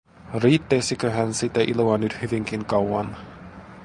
Riittäisiköhän sitä iloa nyt hyvinkin kauan?